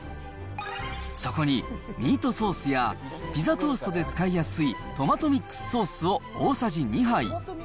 そこにミートソースや、ピザトーストで使いやすいトマトミックスソースを大さじ２杯。